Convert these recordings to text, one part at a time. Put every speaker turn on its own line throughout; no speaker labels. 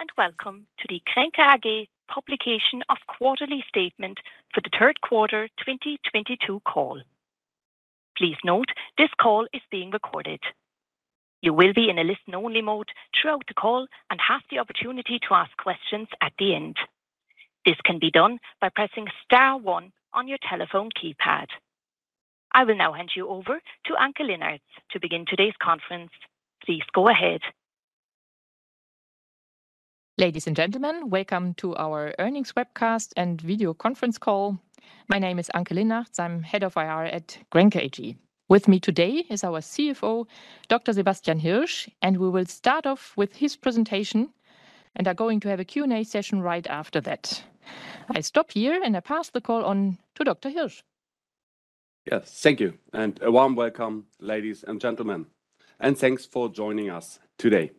Hello and welcome to the Grenke AG publication of quarterly statement for the third quarter 2022 call. Please note this call is being recorded. You will be in a listen-only mode throughout the call and have the opportunity to ask questions at the end. This can be done by pressing star one on your telephone keypad. I will now hand you over to Anke Linnartz to begin today's conference. Please go ahead.
Ladies and gentlemen, welcome to our earnings webcast and video conference call. My name is Anke Linnartz. I'm Head of IR at Grenke AG. With me today is our CFO, Dr. Sebastian Hirsch, and we will start off with his presentation and are going to have a Q&A session right after that. I stop here, and I pass the call on to Dr. Hirsch.
Yes. Thank you. A warm welcome, ladies and gentlemen, and thanks for joining us today.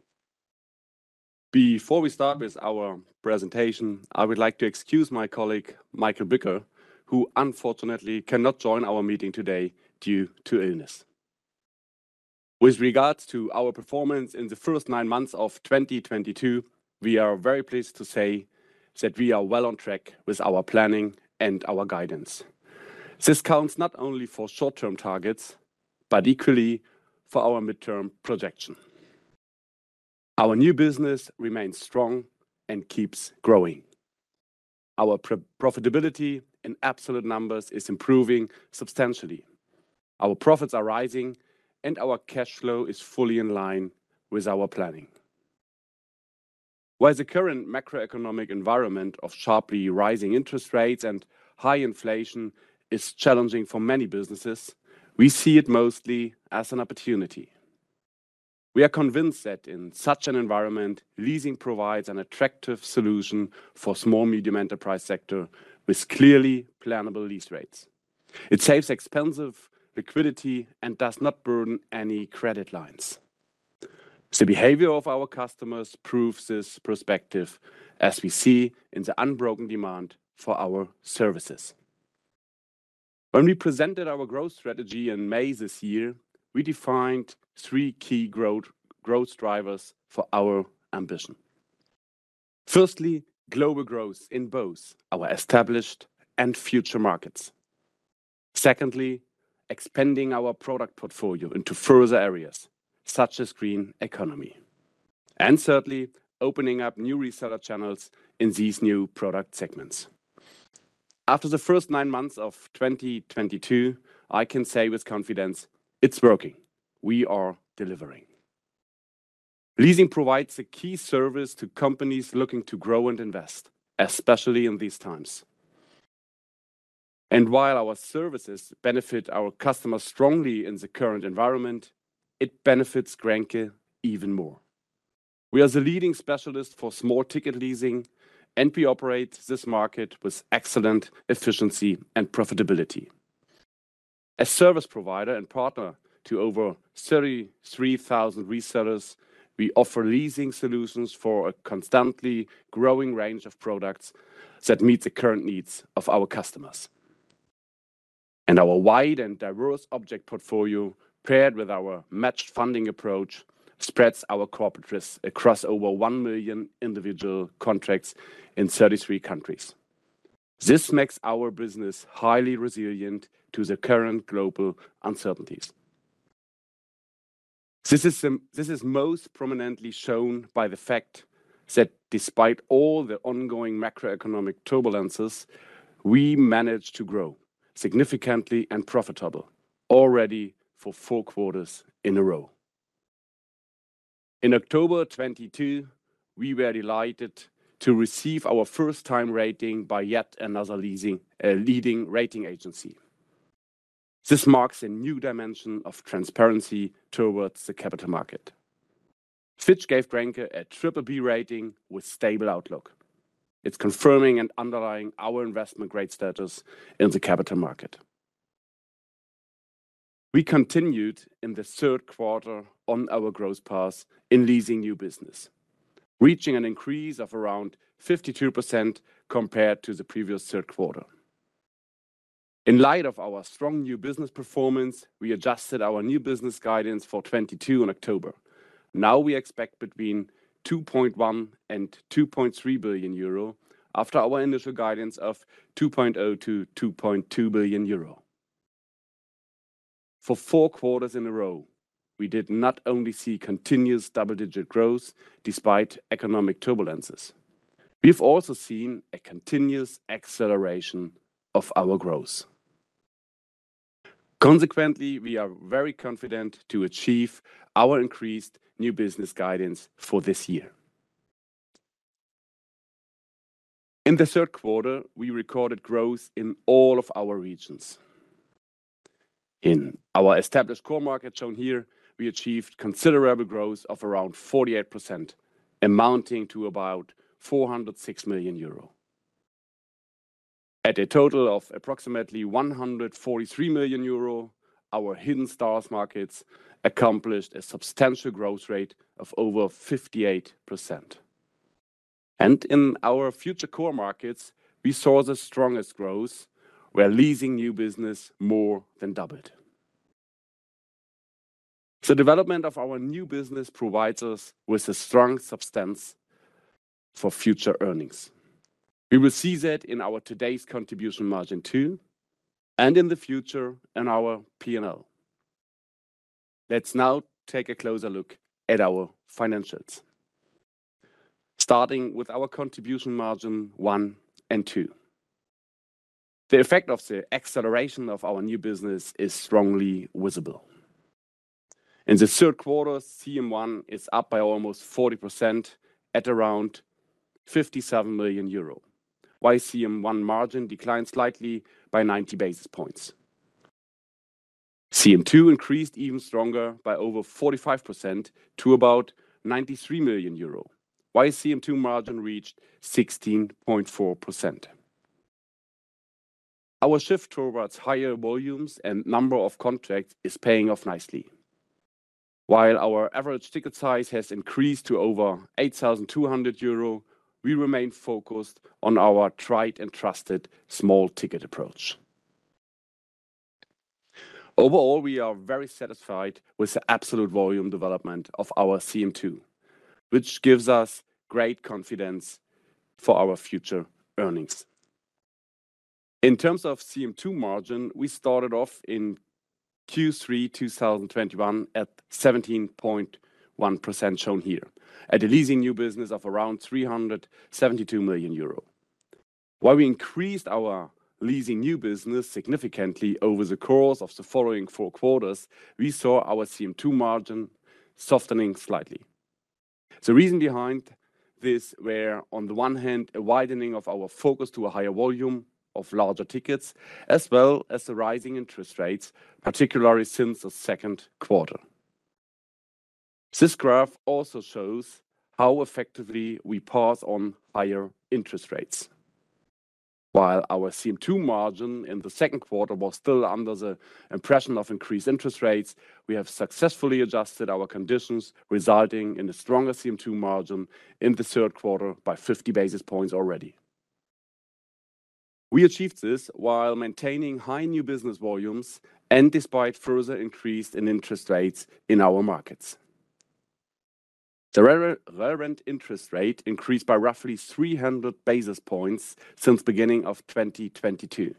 Before we start with our presentation, I would like to excuse my colleague, Michael Bücker, who unfortunately cannot join our meeting today due to illness. With regards to our performance in the first nine months of 2022, we are very pleased to say that we are well on track with our planning and our guidance. This counts not only for short-term targets, but equally for our midterm projection. Our new business remains strong and keeps growing. Our profitability in absolute numbers is improving substantially. Our profits are rising, and our cash flow is fully in line with our planning. While the current macroeconomic environment of sharply rising interest rates and high inflation is challenging for many businesses, we see it mostly as an opportunity. We are convinced that in such an environment, leasing provides an attractive solution for small and medium enterprises sector with clearly plannable lease rates. It saves expensive liquidity and does not burden any credit lines. The behavior of our customers proves this perspective, as we see in the unbroken demand for our services. When we presented our growth strategy in May this year, we defined three key growth drivers for our ambition. Firstly, global growth in both our established and future markets. Secondly, expanding our product portfolio into further areas such as green economy. Thirdly, opening up new reseller channels in these new product segments. After the first 9 months of 2022, I can say with confidence, it's working. We are delivering. Leasing provides a key service to companies looking to grow and invest, especially in these times. While our services benefit our customers strongly in the current environment, it benefits Grenke even more. We are the leading specialist for small-ticket leasing, and we operate this market with excellent efficiency and profitability. A service provider and partner to over 33,000 resellers, we offer leasing solutions for a constantly growing range of products that meet the current needs of our customers. Our wide and diverse object portfolio, paired with our matched funding approach, spreads our corporate risk across over 1 million individual contracts in 33 countries. This makes our business highly resilient to the current global uncertainties. This is most prominently shown by the fact that despite all the ongoing macroeconomic turbulences, we managed to grow significantly and profitably already for four quarters in a row. In October 2022, we were delighted to receive our first-time rating by yet another leading rating agency. This marks a new dimension of transparency towards the capital market. Fitch gave Grenke a BBB rating with stable outlook. It's confirming and underlying our investment grade status in the capital market. We continued in the third quarter on our growth path in leasing new business, reaching an increase of around 52% compared to the previous third quarter. In light of our strong new business performance, we adjusted our new business guidance for 2022 in October. Now we expect between 2.1 billion and 2.3 billion euro, after our initial guidance of 2.0 billion-2.2 billion euro. For four quarters in a row, we did not only see continuous double-digit growth despite economic turbulences, we've also seen a continuous acceleration of our growth. Consequently, we are very confident to achieve our increased new business guidance for this year. In the third quarter, we recorded growth in all of our regions. In our established core market shown here, we achieved considerable growth of around 48%, amounting to about 406 million euro. At a total of approximately 143 million euro, our hidden stars markets accomplished a substantial growth rate of over 58%. In our future core markets, we saw the strongest growth, where leasing new business more than doubled. The development of our new business provides us with a strong substance for future earnings. We will see that in our today's contribution margin 2, and in the future in our P&L. Let's now take a closer look at our financials. Starting with our contribution margin 1 and 2. The effect of the acceleration of our new business is strongly visible. In the third quarter, CM1 is up by almost 40% at around 57 million euro, while CM1 margin declined slightly by 90 basis points. CM2 increased even stronger by over 45% to about 93 million euro, while CM2 margin reached 16.4%. Our shift towards higher volumes and number of contracts is paying off nicely. While our average ticket size has increased to over 8,200 euro, we remain focused on our tried and trusted small-ticket approach. Overall, we are very satisfied with the absolute volume development of our CM2, which gives us great confidence for our future earnings. In terms of CM2 margin, we started off in Q3 2021 at 17.1%, shown here, at a leasing new business of around 372 million euro. While we increased our leasing new business significantly over the course of the following four quarters, we saw our CM2 margin softening slightly. The reason behind this were, on the one hand, a widening of our focus to a higher volume of larger tickets, as well as the rising interest rates, particularly since the second quarter. This graph also shows how effectively we pass on higher interest rates. While our CM2 margin in the second quarter was still under the impression of increased interest rates, we have successfully adjusted our conditions, resulting in a stronger CM2 margin in the third quarter by 50 basis points already. We achieved this while maintaining high new business volumes and despite further increase in interest rates in our markets. The Euribor interest rate increased by roughly 300 basis points since beginning of 2022,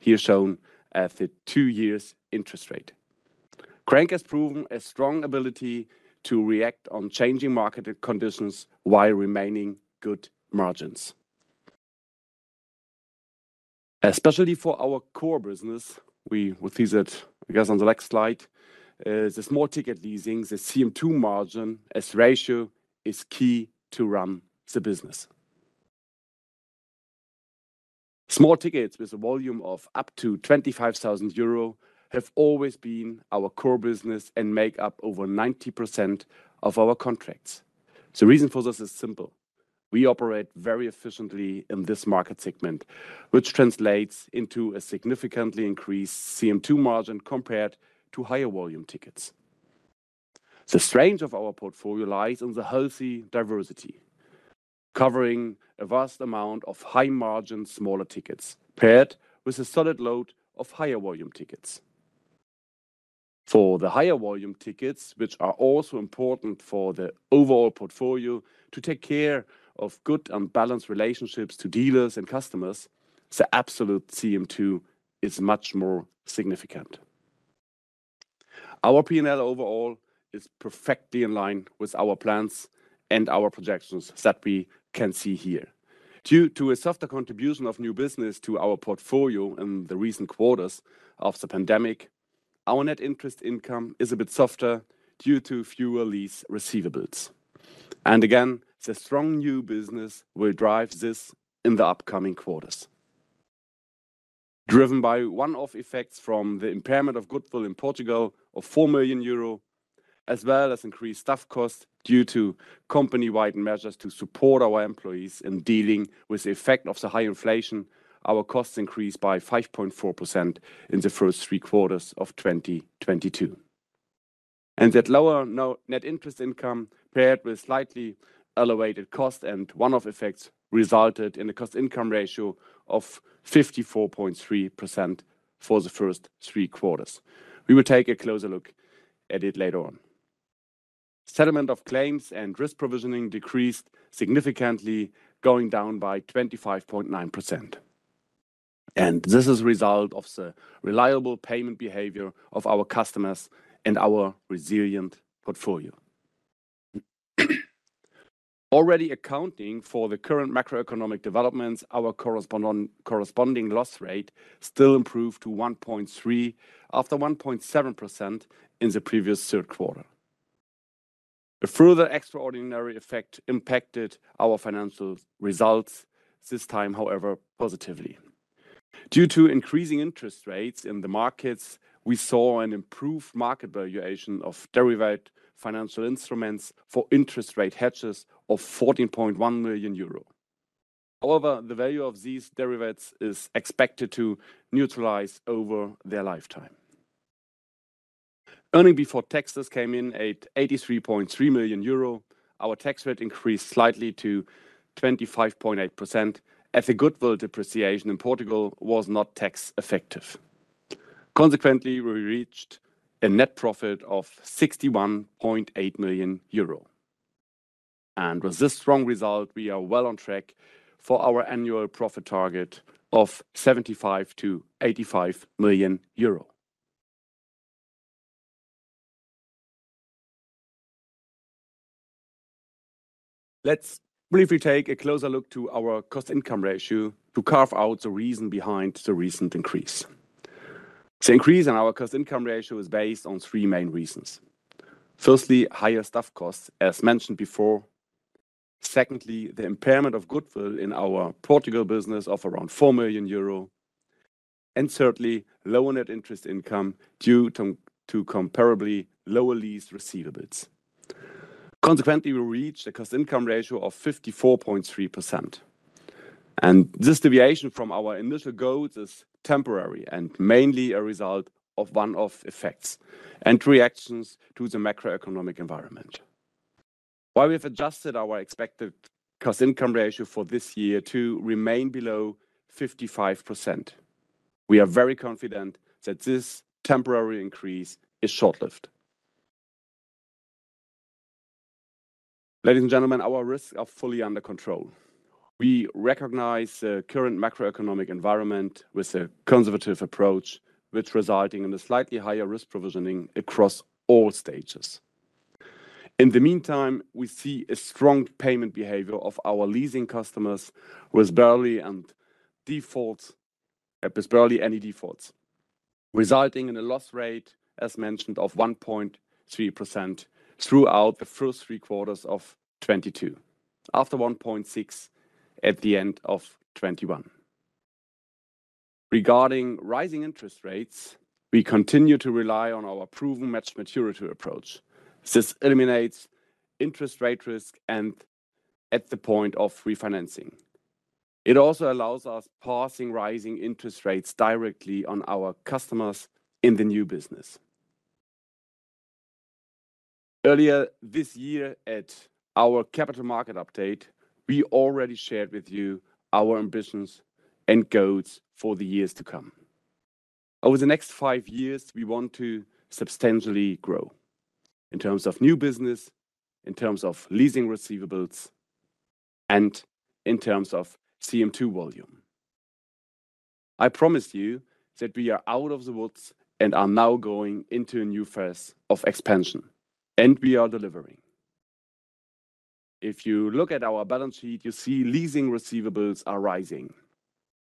here shown as the two-year interest rate. Grenke has proven a strong ability to react to changing market conditions while maintaining good margins. Especially for our core business, we will see that, I guess, on the next slide, the small-ticket leasing, the CM2 margin-to-ratio is key to run the business. Small-ticket with a volume of up to 25,000 euro have always been our core business and make up over 90% of our contracts. The reason for this is simple. We operate very efficiently in this market segment, which translates into a significantly increased CM2 margin compared to higher volume tickets. The strength of our portfolio lies in the healthy diversity, covering a vast amount of high-margin smaller tickets paired with a solid load of higher volume tickets. For the higher volume tickets, which are also important for the overall portfolio to take care of good and balanced relationships to dealers and customers, the absolute CM2 is much more significant. Our P&L overall is perfectly in line with our plans and our projections that we can see here. Due to a softer contribution of new business to our portfolio in the recent quarters of the pandemic, our net interest income is a bit softer due to fewer lease receivables. Again, the strong new business will drive this in the upcoming quarters. Driven by one-off effects from the impairment of goodwill in Portugal of 4 million euro, as well as increased staff costs due to company-wide measures to support our employees in dealing with the effect of the high inflation, our costs increased by 5.4% in the first three quarters of 2022. That lower net interest income paired with slightly elevated cost and one-off effects resulted in a cost-income ratio of 54.3% for the first three quarters. We will take a closer look at it later on. Settlement of claims and risk provisioning decreased significantly, going down by 25.9%, and this is a result of the reliable payment behavior of our customers and our resilient portfolio. Already accounting for the current macroeconomic developments, our corresponding loss rate still improved to 1.3 after 1.7% in the previous third quarter. A further extraordinary effect impacted our financial results this time, however, positively. Due to increasing interest rates in the markets, we saw an improved market valuation of derivative financial instruments for interest rate hedges of 14.1 million euro. However, the value of these derivatives is expected to neutralize over their lifetime. Earnings before taxes came in at 83.3 million euro. Our tax rate increased slightly to 25.8% as the goodwill depreciation in Portugal was not tax effective. Consequently, we reached a net profit of 61.8 million euro. With this strong result, we are well on track for our annual profit target of 75 million-85 million euro. Let's briefly take a closer look to our cost-income ratio to carve out the reason behind the recent increase. The increase in our cost-income ratio is based on three main reasons. Firstly, higher staff costs, as mentioned before. Secondly, the impairment of goodwill in our Portugal business of around 4 million euro. Thirdly, lower net interest income due to comparably lower lease receivables. Consequently, we reached a cost-income ratio of 54.3%. This deviation from our initial goals is temporary and mainly a result of one-off effects and reactions to the macroeconomic environment. While we have adjusted our expected cost-income ratio for this year to remain below 55%, we are very confident that this temporary increase is short-lived. Ladies and gentlemen, our risks are fully under control. We recognize the current macroeconomic environment with a conservative approach, which results in a slightly higher risk provisioning across all stages. In the meantime, we see a strong payment behavior of our leasing customers with barely any defaults, resulting in a loss rate, as mentioned, of 1.3% throughout the first three quarters of 2022, after 1.6% at the end of 2021. Regarding rising interest rates, we continue to rely on our proven matched maturity approach. This eliminates interest rate risk and at the point of refinancing. It also allows us to pass rising interest rates directly on to our customers in the new business. Earlier this year at our capital market update, we already shared with you our ambitions and goals for the years to come. Over the next five years, we want to substantially grow in terms of new business, in terms of leasing receivables, and in terms of CM2 volume. I promised you that we are out of the woods and are now going into a new phase of expansion, and we are delivering. If you look at our balance sheet, you see leasing receivables are rising,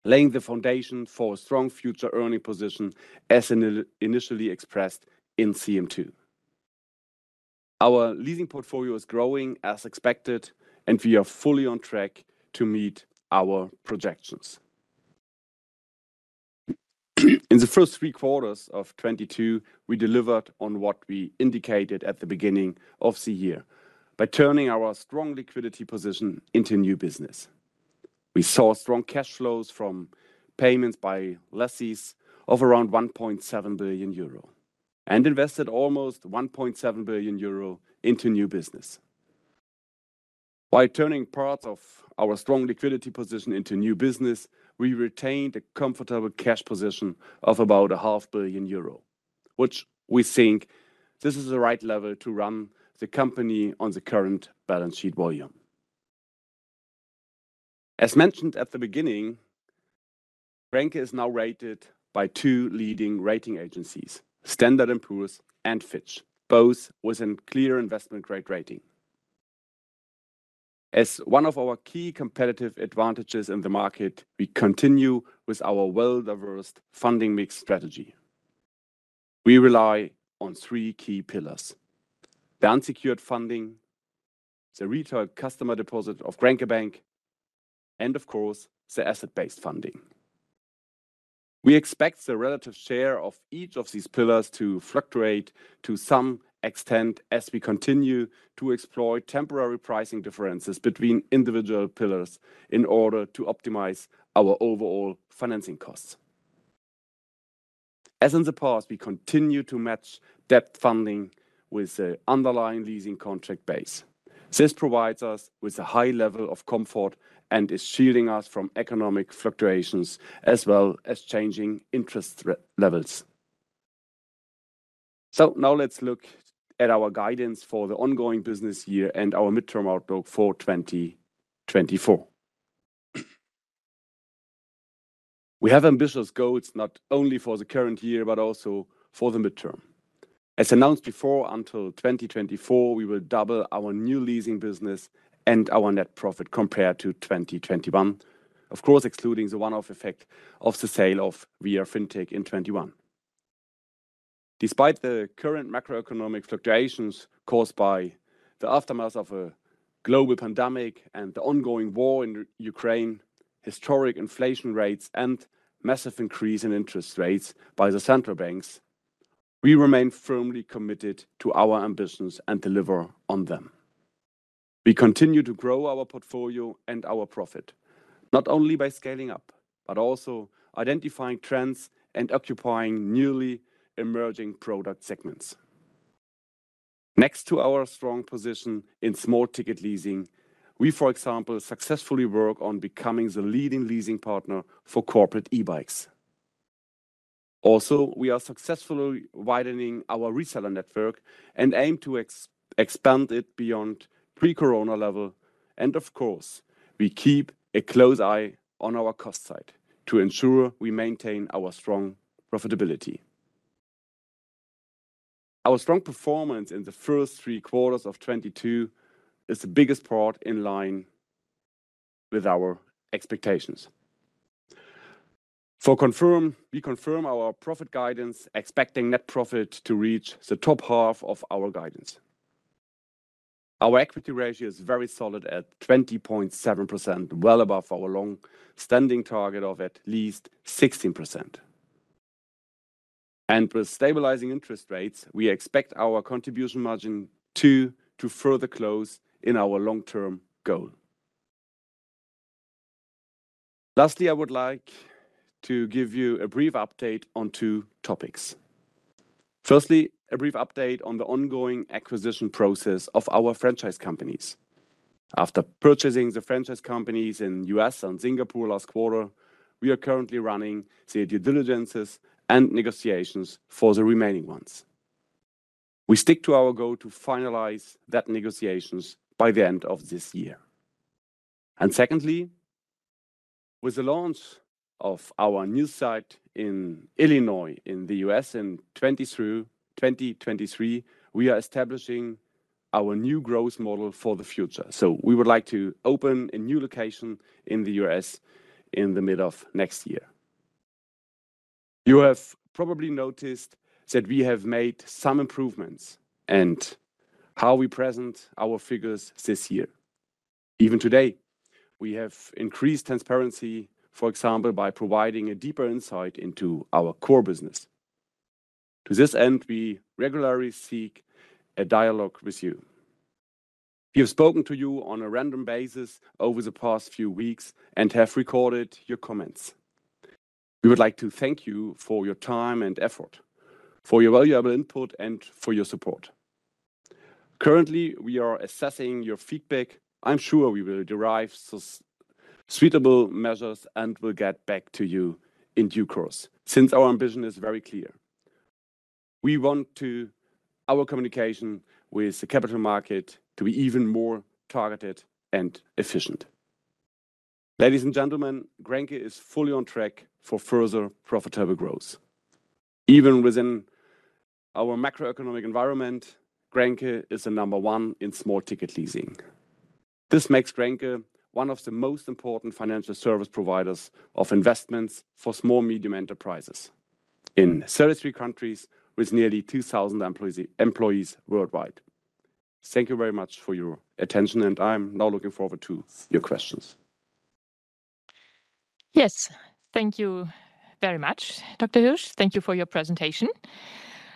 laying the foundation for a strong future earning position as initially expressed in CM2. Our leasing portfolio is growing as expected, and we are fully on track to meet our projections. In the first three quarters of 2022, we delivered on what we indicated at the beginning of the year by turning our strong liquidity position into new business. We saw strong cash flows from payments by lessees of around 1.7 billion euro and invested almost 1.7 billion euro into new business. By turning parts of our strong liquidity position into new business, we retained a comfortable cash position of about 0.5 billion euro, which we think this is the right level to run the company on the current balance sheet volume. As mentioned at the beginning, Grenke is now rated by two leading rating agencies, Standard & Poor's and Fitch. Both with a clear investment-grade rating. As one of our key competitive advantages in the market, we continue with our well-diversified funding mix strategy. We rely on three key pillars: the unsecured funding, the retail customer deposits at Grenke Bank, and of course, the asset-based funding. We expect the relative share of each of these pillars to fluctuate to some extent as we continue to explore temporary pricing differences between individual pillars in order to optimize our overall financing costs. As in the past, we continue to match debt funding with the underlying leasing contract base. This provides us with a high level of comfort and is shielding us from economic fluctuations as well as changing interest rate levels. Now let's look at our guidance for the ongoing business year and our midterm outlook for 2024. We have ambitious goals not only for the current year, but also for the midterm. As announced before, until 2024, we will double our new leasing business and our net profit compared to 2021. Of course, excluding the one-off effect of the sale of viafintech in 2021. Despite the current macroeconomic fluctuations caused by the aftermath of a global pandemic and the ongoing war in Ukraine, historic inflation rates and massive increase in interest rates by the central banks, we remain firmly committed to our ambitions and deliver on them. We continue to grow our portfolio and our profit, not only by scaling up but also identifying trends and occupying newly emerging product segments. Next to our strong position in small-ticket leasing, we, for example, successfully work on becoming the leading leasing partner for corporate e-bikes. Also, we are successfully widening our reseller network and aim to expand it beyond pre-corona level. Of course, we keep a close eye on our cost side to ensure we maintain our strong profitability. Our strong performance in the first three quarters of 2022 is largely in line with our expectations. We confirm our profit guidance, expecting net profit to reach the top half of our guidance. Our equity ratio is very solid at 20.7%, well above our long-standing target of at least 16%. With stabilizing interest rates, we expect our contribution margin 2 to further close in on our long-term goal. Lastly, I would like to give you a brief update on two topics. Firstly, a brief update on the ongoing acquisition process of our franchise companies. After purchasing the franchise companies in U.S. and Singapore last quarter, we are currently running the due diligence and negotiations for the remaining ones. We stick to our goal to finalize those negotiations by the end of this year. Secondly, with the launch of our new site in Illinois in the U.S. in 2020 through 2023, we are establishing our new growth model for the future. We would like to open a new location in the U.S. in the middle of next year. You have probably noticed that we have made some improvements in how we present our figures this year. Even today, we have increased transparency, for example, by providing a deeper insight into our core business. To this end, we regularly seek a dialogue with you. We have spoken to you on a random basis over the past few weeks and have recorded your comments. We would like to thank you for your time and effort, for your valuable input, and for your support. Currently, we are assessing your feedback. I'm sure we will derive suitable measures and will get back to you in due course, since our ambition is very clear. We want our communication with the capital market to be even more targeted and efficient. Ladies and gentlemen, Grenke is fully on track for further profitable growth. Even within our macroeconomic environment, Grenke is the number one in small-ticket leasing. This makes Grenke one of the most important financial service providers of investments for small medium enterprises in 33 countries with nearly 2,000 employees worldwide. Thank you very much for your attention, and I'm now looking forward to your questions.
Yes. Thank you very much, Dr. Hirsch. Thank you for your presentation.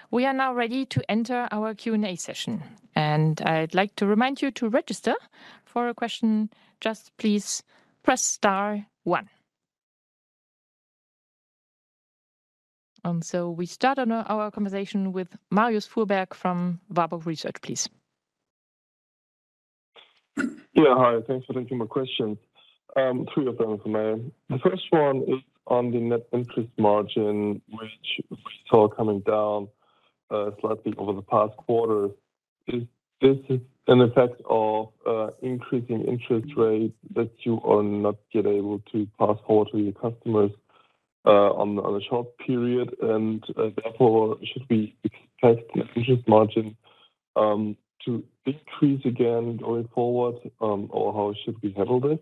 We are now ready to enter our Q&A session, and I'd like to remind you to register. For a question, just please press star one. We start on our conversation with Marius Fuhrberg from Warburg Research, please.
Yeah. Hi. Thanks for taking my question. Three of them for me. The first one is on the net interest margin, which we saw coming down slightly over the past quarter. Is this an effect of increasing interest rates that you are not yet able to pass forward to your customers on a short period? Therefore, should we expect net interest margin to decrease again going forward, or how should we handle this?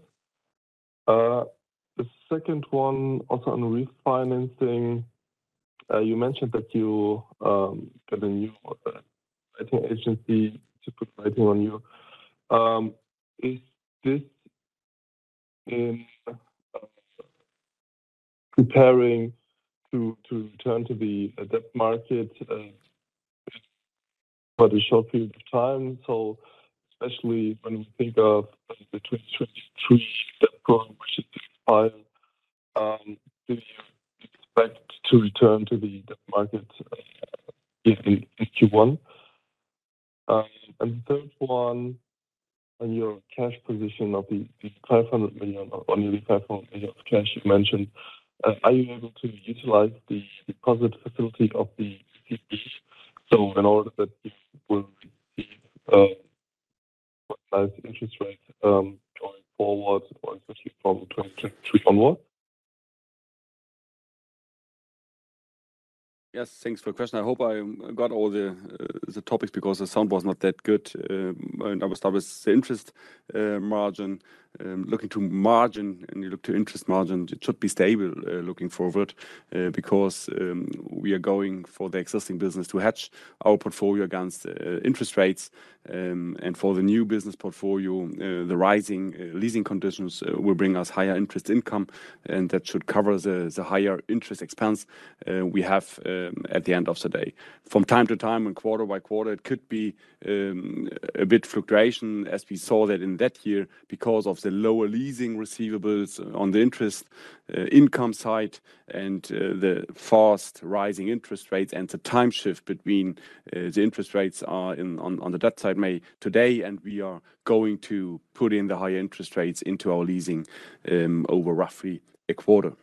The second one, also on refinancing. You mentioned that you got a new rating agency to provide you a new. Is this in preparing to return to the debt market for the short period of time? Especially when we think of, like, the twin transition three step growth, which is this file, do you expect to return to the debt market in Q1? Third one, on your cash position of the 500 million or nearly 500 million of cash you mentioned, are you able to utilize the deposit facility of the ECB's so in order that this will receive what size interest rate going forward or especially from 2023 onward?
Yes. Thanks for the question. I hope I got all the topics because the sound was not that good when I was listening. The interest margin, looking at margin and you look at interest margin, it should be stable looking forward because we are going for the existing business to hedge our portfolio against interest rates. For the new business portfolio, the rising leasing conditions will bring us higher interest income, and that should cover the higher interest expense we have at the end of the day. From time to time and quarter by quarter, it could be a bit fluctuation as we saw that in that year because of the lower leasing receivables on the interest income side and the fast-rising interest rates. The time shift between the interest rates on the debt side today, and we are going to put in the high interest rates into our leasing over roughly a quarter.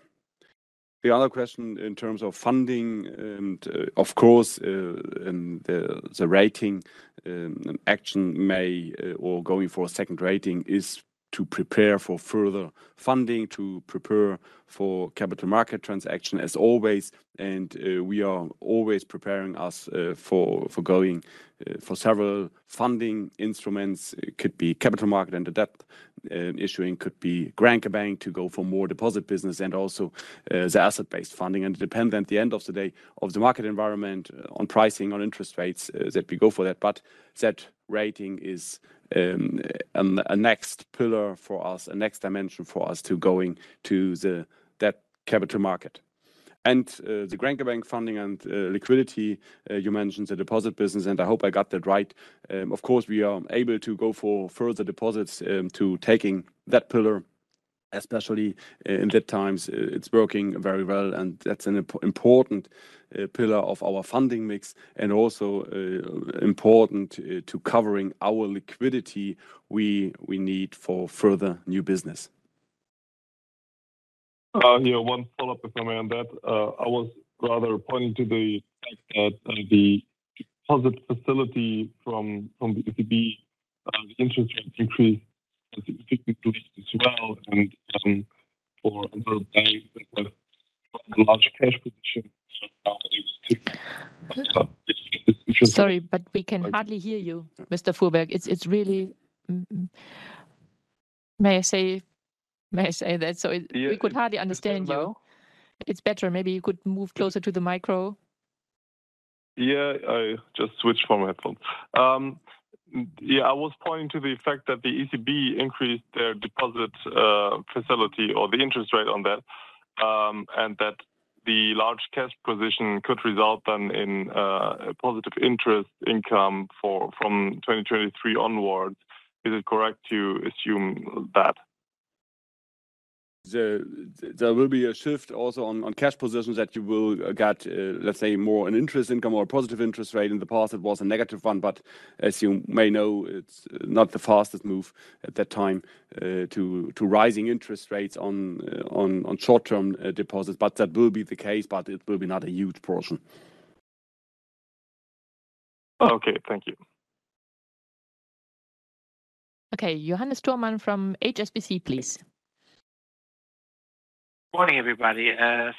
The other question in terms of funding and, of course, the rating action or going for a second rating is to prepare for further funding, to prepare for capital market transaction as always. We are always preparing ourselves for going for several funding instruments. It could be capital market and the debt issuing. Could be Grenke Bank to go for more deposit business and also the asset-based funding. It depends at the end of the day on the market environment on pricing, on interest rates, that we go for that. That rating is a next pillar for us, a next dimension for us to the capital market. The Grenke Bank funding and liquidity, you mentioned the deposit business, and I hope I got that right. Of course, we are able to go for further deposits to taking that pillar, especially in that times. It's working very well, and that's an important pillar of our funding mix and also important to covering our liquidity we need for further new business.
Yeah, one follow-up if I may on that. I was rather pointing to the fact that the deposit facility from the ECB, the interest rates increased significantly as well and for other banks that have large cash positions.
Sorry, but we can hardly hear you, Mr. Fuhrberg. It's really. May I say that?
Yeah.
We could hardly understand you.
Is it better now?
It's better. Maybe you could move closer to the micro.
I just switched from headphones. I was pointing to the fact that the ECB increased their deposit facility or the interest rate on that, and that the large cash position could result then in a positive interest income from 2023 onwards. Is it correct to assume that?
There will be a shift also on cash positions that you will get, let's say, more an interest income or a positive interest rate. In the past, it was a negative one, but as you may know, it's not the fastest move at that time to rising interest rates on short-term deposits. That will be the case, but it will be not a huge portion.
Okay. Thank you.
Okay. Johannes Thürsam from HSBC, please.
Morning, everybody.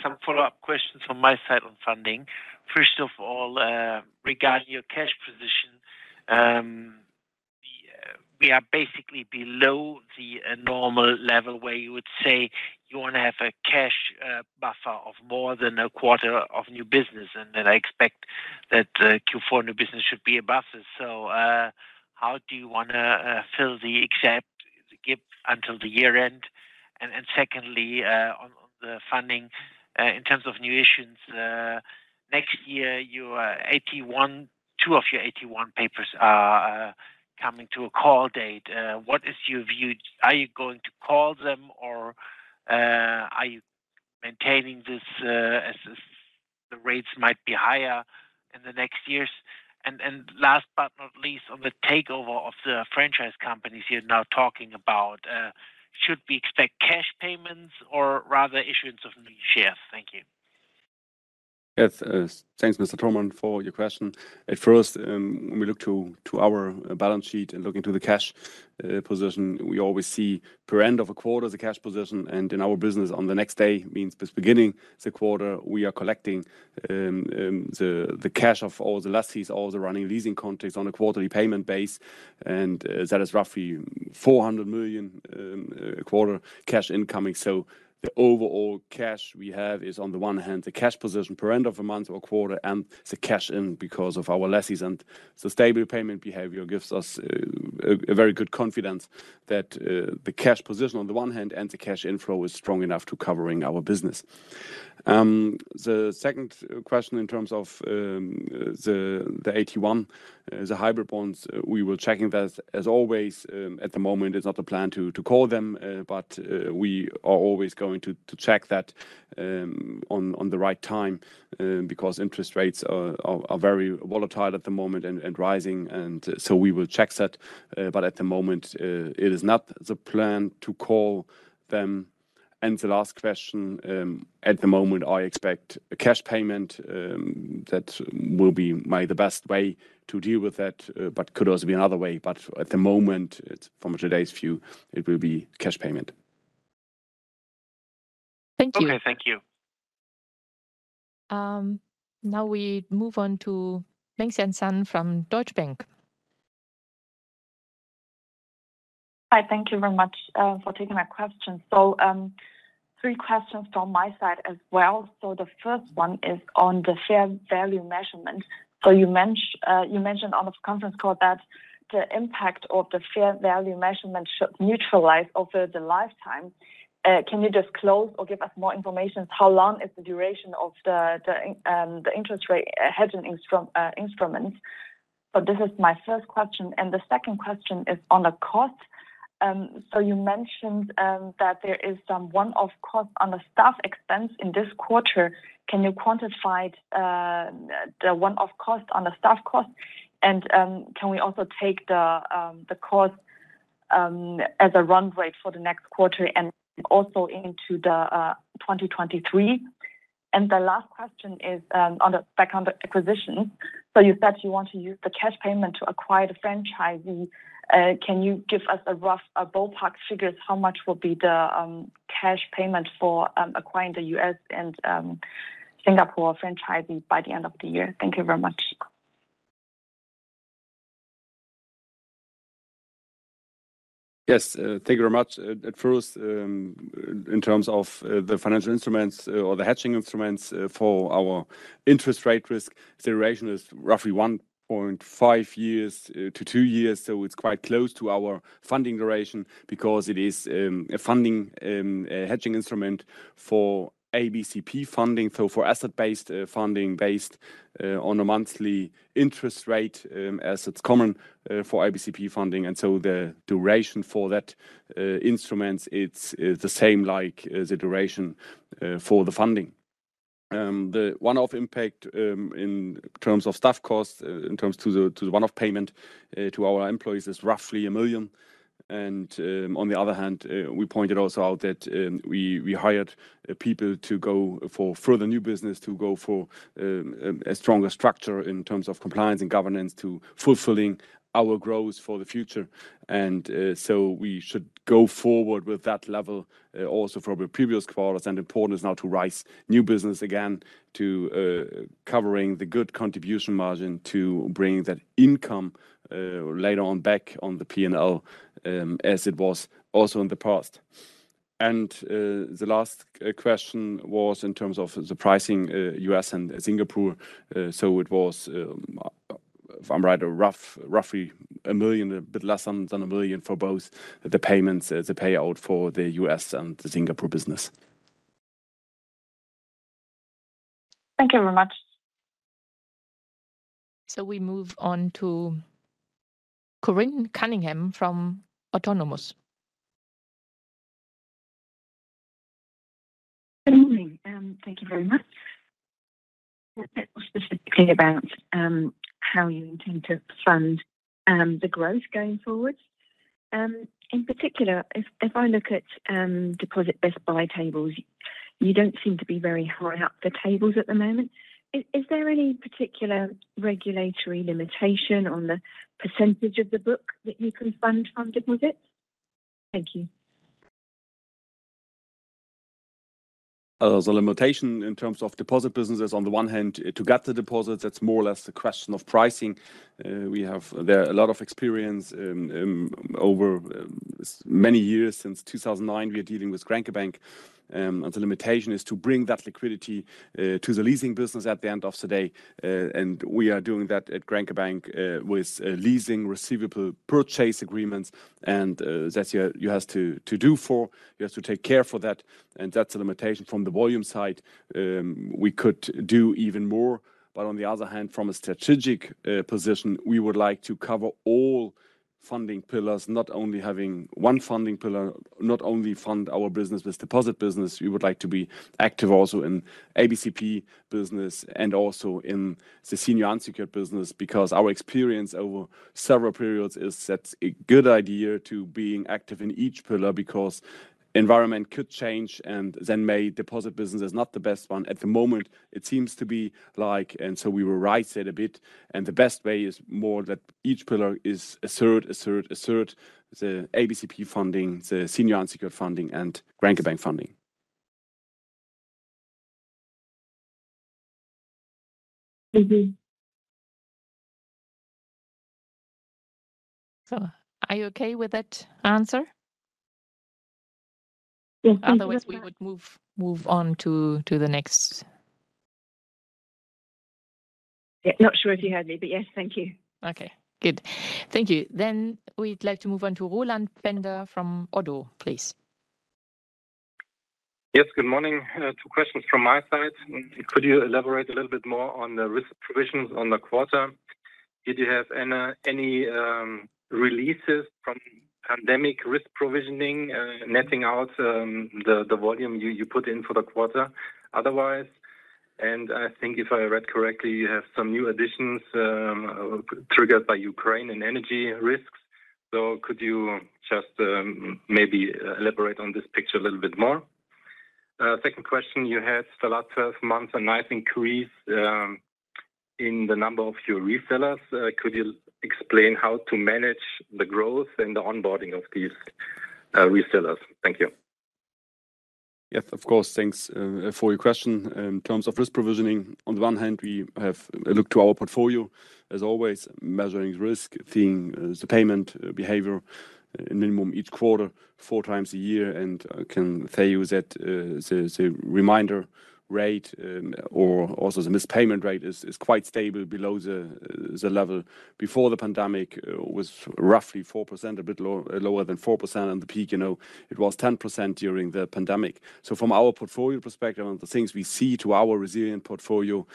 Some follow-up questions from my side on funding. First of all, regarding your cash position, we are basically below the normal level where you would say you wanna have a cash buffer of more than a quarter of new business. I expect that Q4 new business should be a buffer. How do you wanna fill the gap until the year end? Secondly, on the funding, in terms of new issues, next year, your two of your AT1 papers are coming to a call date. What is your view? Are you going to call them or are you maintaining this as the rates might be higher in the next years? last but not least, on the takeover of the franchise companies you're now talking about, should we expect cash payments or rather issuance of new shares? Thank you.
Yes. Thanks, Mr. Thürsam, for your question. At first, when we look to our balance sheet and look into the cash position, we always see per end of a quarter the cash position. In our business on the next day means this beginning the quarter, we are collecting the cash of all the lessees, all the running leasing contracts on a quarterly payment base, and that is roughly 400 million quarter cash incoming. The overall cash we have is on the one hand the cash position per end of a month or quarter and the cash inflow because of our lessees. The stable payment behavior gives us a very good confidence that the cash position on the one hand and the cash inflow is strong enough to cover our business. The second question in terms of the AT1, the hybrid bonds, we will checking that as always. At the moment it's not the plan to call them, but we are always going to check that on the right time, because interest rates are very volatile at the moment and rising, and so we will check that. At the moment, it is not the plan to call them. The last question, at the moment I expect a cash payment, that will be the best way to deal with that, but could also be another way. At the moment, from today's view, it will be cash payment.
Thank you.
Okay. Thank you.
Now we move on to Mengxian Sun from Deutsche Bank.
Hi, thank you very much for taking my question. Three questions from my side as well. The first one is on the fair value measurement. You mentioned on the conference call that the impact of the fair value measurement should neutralize over the lifetime. Can you disclose or give us more information how long is the duration of the interest rate hedging instrument? This is my first question. The second question is on the cost. You mentioned that there is some one-off cost on the staff expense in this quarter. Can you quantify the one-off cost on the staff cost? Can we also take the cost as a run rate for the next quarter and also into 2023? The last question is on the acquisition. You said you want to use the cash payment to acquire the franchisee. Can you give us a rough ballpark figures how much will be the cash payment for acquiring the US and Singapore franchisee by the end of the year? Thank you very much.
Yes, thank you very much. At first, in terms of the financial instruments or the hedging instruments for our interest rate risk, the duration is roughly 1.5-2 years. It's quite close to our funding duration because it is a funding hedging instrument for ABCP funding, so for asset-based funding based on a monthly interest rate, as it's common for ABCP funding. The duration for that instruments, it's the same like as the duration for the funding. The one-off impact in terms of staff costs in terms of the one-off payment to our employees is roughly 1 million. On the other hand, we pointed also out that we hired people to go for further new business, to go for a stronger structure in terms of compliance and governance to fulfilling our growth for the future. So we should go forward with that level also for the previous quarters. Important is now to raise new business again to covering the good contribution margin to bring that income later on back on the P&L as it was also in the past. The last question was in terms of the pricing, US and Singapore. So it was, if I'm right, roughly 1 million, a bit less than 1 million for both the payments, the payout for the US and the Singapore business.
Thank you very much.
We move on to Corinne Cunningham from Autonomous.
Good morning. Thank you very much. Specifically about how you intend to fund the growth going forward. In particular, if I look at deposit best buy tables, you don't seem to be very high up the tables at the moment. Is there any particular regulatory limitation on the percentage of the book that you can fund from deposits? Thank you.
The limitation in terms of deposit business is on the one hand, to get the deposits, that's more or less a question of pricing. We have there a lot of experience over many years. Since 2009, we are dealing with Grenke Bank. The limitation is to bring that liquidity to the leasing business at the end of the day. We are doing that at Grenke Bank with leasing receivable purchase agreements. That you have to do. You have to take care of that. That's a limitation from the volume side. We could do even more. On the other hand, from a strategic position, we would like to cover all funding pillars, not only having one funding pillar, not only fund our business with deposit business. We would like to be active also in ABCP business and also in the senior unsecured business. Because our experience over several periods is that's a good idea to being active in each pillar because environment could change and then maybe deposit business is not the best one. At the moment, it seems to be like, and so we will raise it a bit. The best way is more that each pillar is a third, a third, a third, the ABCP funding, the senior unsecured funding, and Grenke Bank funding.
Mm-hmm.
Are you okay with that answer?
Yes, thank you very much.
Otherwise, we would move on to the next.
Yeah, not sure if you heard me, but yes, thank you.
Okay, good. Thank you. We'd like to move on to Roland Pfänder from Oddo BHF, please.
Yes, good morning. Two questions from my side. Could you elaborate a little bit more on the risk provisions on the quarter? Did you have any releases from pandemic risk provisioning, netting out, the volume you put in for the quarter otherwise? I think if I read correctly, you have some new additions, triggered by Ukraine and energy risks. Could you just maybe elaborate on this picture a little bit more? Second question, you had the last month a nice increase, in the number of your resellers. Could you explain how to manage the growth and the onboarding of these resellers? Thank you.
Yes, of course. Thanks for your question. In terms of risk provisioning, on the one hand, we have looked to our portfolio as always, measuring risk, seeing the payment behavior minimum each quarter, four times a year, and I can tell you that the reminder rate or also the missed payment rate is quite stable below the level. Before the pandemic, it was roughly 4%, a bit low, lower than 4%. At the peak, you know, it was 10% during the pandemic. From our portfolio perspective and the things we see in our resilient portfolio,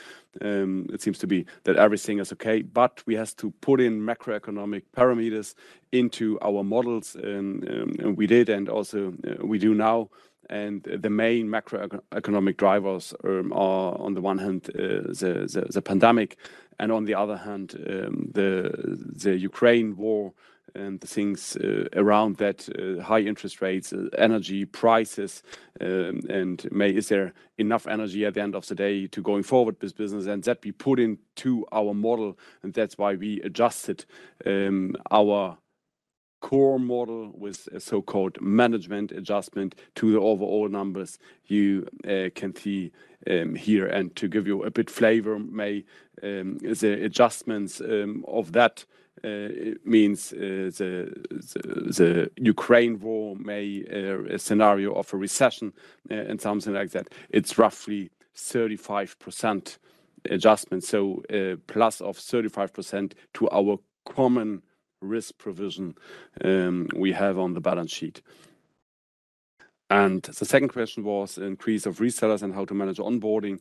it seems to be that everything is okay. We have to put in macroeconomic parameters into our models and we did, and also we do now. The main macro-economic drivers are on the one hand, the pandemic and on the other hand, the Ukraine war and the things around that, high interest rates, energy prices. Is there enough energy at the end of the day to go forward with business? That we put into our model, and that's why we adjusted our core model with a so-called management adjustment to the overall numbers you can see here. To give you a bit of flavor, the adjustments of that means the Ukraine war, a scenario of a recession and something like that. It's roughly 35% adjustment, so plus of 35% to our common risk provision we have on the balance sheet. The second question was the increase in resellers and how to manage onboarding.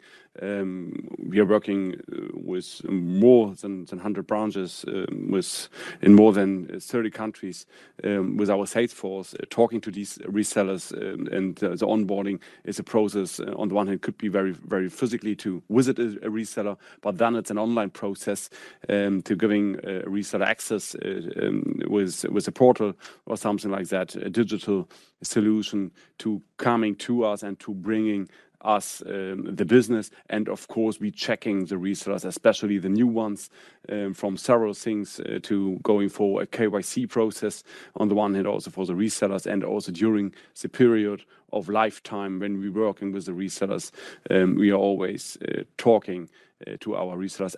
We are working with more than 100 branches in more than 30 countries with our sales force talking to these resellers. The onboarding is a process, on the one hand could be very physically to visit a reseller, but then it's an online process to giving a reseller access with a portal or something like that, a digital solution to coming to us and to bringing us the business. Of course, we checking the resellers, especially the new ones from several things to going for a KYC process on the one hand also for the resellers and also during the period of lifetime when we working with the resellers. We are always talking to our resellers.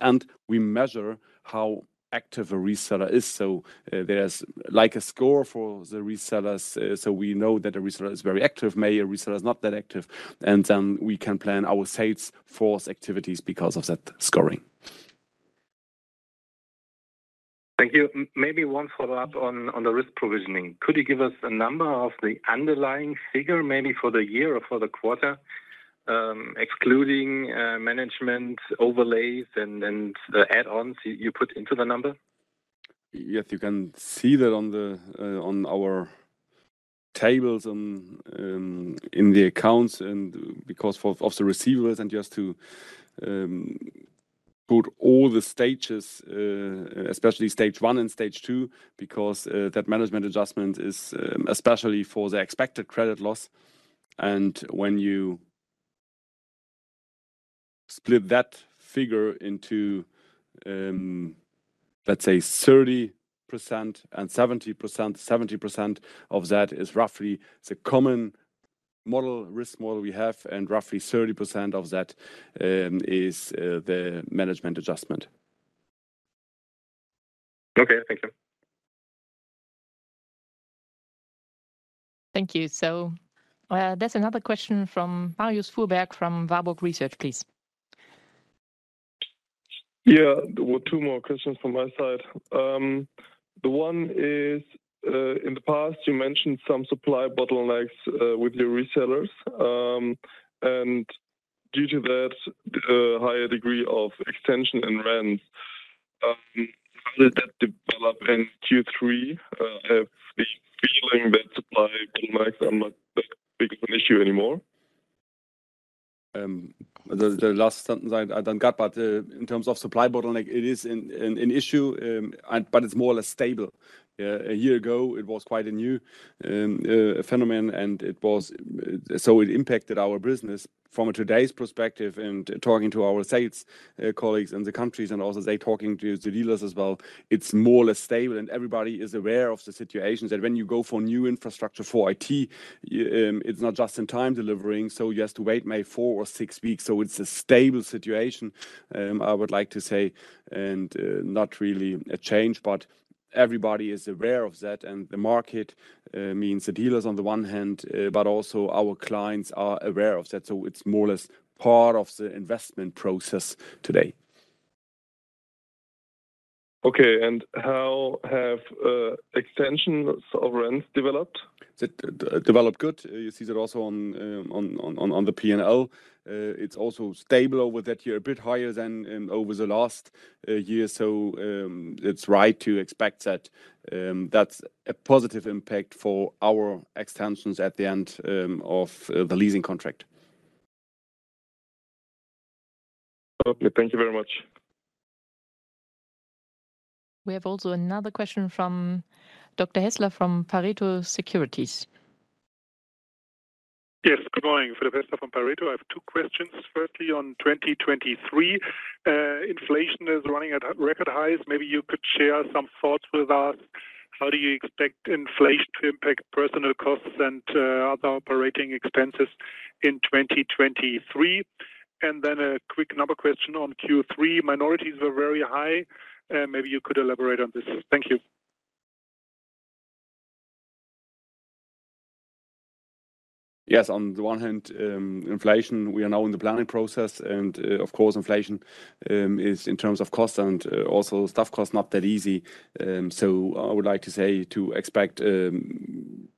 We measure how active a reseller is. There's like a score for the resellers, so we know that a reseller is very active, maybe a reseller is not that active, and then we can plan our sales force activities because of that scoring.
Thank you. Maybe one follow-up on the risk provisioning. Could you give us a number of the underlying figure, maybe for the year or for the quarter, excluding management overlays and add-ons you put into the number?
Yes, you can see that on our tables in the accounts and because of the receivables and just to put all the stages, especially stage one and stage two, because that management adjustment is especially for the expected credit loss. When you split that figure into, let's say 30% and 70%, 70% of that is roughly the common model risk model we have, and roughly 30% of that is the management adjustment.
Okay. Thank you.
Thank you. There's another question from Marius Fuhrberg from Warburg Research, please.
Yeah. Well, two more questions from my side. The one is, in the past, you mentioned some supply bottlenecks with your resellers. Due to that, higher degree of extension in rents, how did that develop in Q3? I have the feeling that supply bottlenecks are not that big of an issue anymore.
The last sentence I don't got, but in terms of supply bottleneck, it is an issue, but it's more or less stable. A year ago, it was quite a new phenomenon, so it impacted our business. From today's perspective, in talking to our sales colleagues in the countries and also they talking to the dealers as well, it's more or less stable. Everybody is aware of the situations, that when you go for new infrastructure for IT, it's not just in time delivering, so you have to wait maybe four or six weeks. It's a stable situation, I would like to say, and not really a change, but everybody is aware of that. The market means the dealers on the one hand, but also our clients are aware of that. It's more or less part of the investment process today.
Okay. How have extensions of rents developed?
They developed good. You see that also on the P&L. It's also stable over that year, a bit higher than over the last year. It's right to expect that that's a positive impact for our extensions at the end of the leasing contract.
Okay. Thank you very much.
We have also another question from Dr. Hässler from Pareto Securities.
Yes. Good morning. Philipp Hässler from Pareto. I have two questions. Firstly, on 2023, inflation is running at record highs. Maybe you could share some thoughts with us. How do you expect inflation to impact personnel costs and, other operating expenses in 2023? A quick number question on Q3, minorities were very high. Maybe you could elaborate on this. Thank you.
Yes. On the one hand, we are now in the planning process and, of course, inflation is in terms of cost and also staff cost, not that easy. I would like to say to expect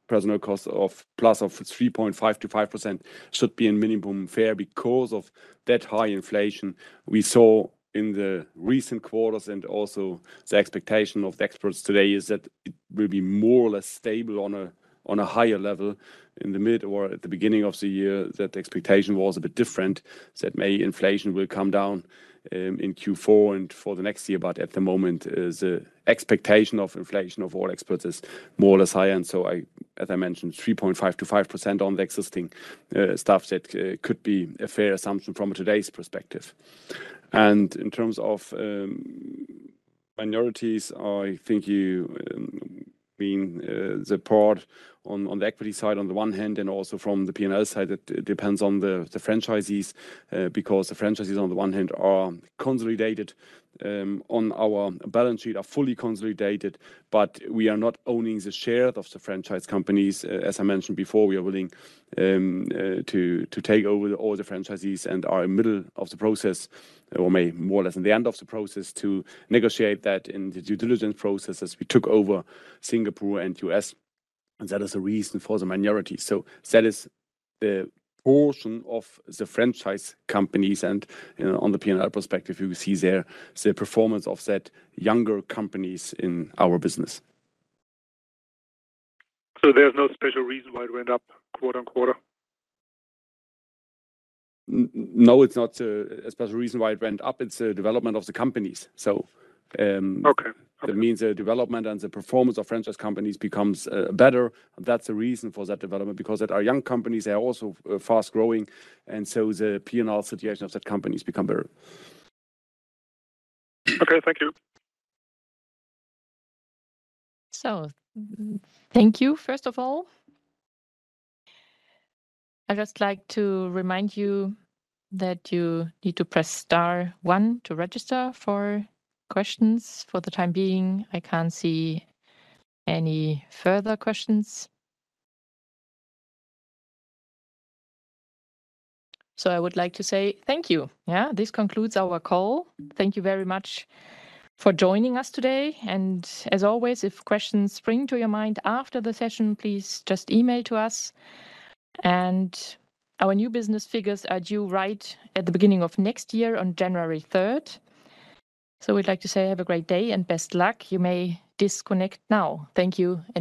personnel costs of plus 3.5%-5% should be a minimum, fair because of that high inflation we saw in the recent quarters. Also the expectation of the experts today is that it will be more or less stable on a higher level in the mid or at the beginning of the year than the expectation was a bit different, that maybe inflation will come down in Q4 and for the next year. At the moment, the expectation of inflation of all experts is more or less high. I... As I mentioned, 3.5%-5% on the existing staff. That could be a fair assumption from today's perspective. In terms of minorities, I think you mean the part on the equity side on the one hand and also from the P&L side, it depends on the franchisees because the franchisees on the one hand are consolidated on our balance sheet, are fully consolidated, but we are not owning the share of the franchise companies. As I mentioned before, we are willing to take over all the franchisees and are in middle of the process or may more or less in the end of the process to negotiate that in the due diligence process as we took over Singapore and U.S. That is the reason for the minority. That is the portion of the franchise companies. You know, on the P&L perspective, you see there the performance of that younger companies in our business.
There's no special reason why it went up quarter-over-quarter?
No, it's not a special reason why it went up. It's a development of the companies.
Okay. Okay.
That means the development and the performance of franchise companies becomes better. That's the reason for that development, because they are young companies, they are also fast-growing, and so the P&L situation of that company has become better.
Okay. Thank you.
Thank you, first of all. I'd just like to remind you that you need to press star one to register for questions. For the time being, I can't see any further questions. I would like to say thank you. Yeah, this concludes our call. Thank you very much for joining us today. As always, if questions spring to your mind after the session, please just email to us. Our new business figures are due right at the beginning of next year on January third. We'd like to say have a great day and best luck. You may disconnect now. Thank you.